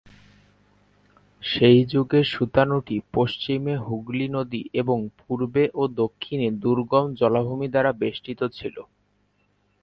সেই যুগে সুতানুটি পশ্চিমে হুগলি নদী এবং পূর্বে ও দক্ষিণে দুর্গম জলাভূমির দ্বারা বেষ্টিত ছিল।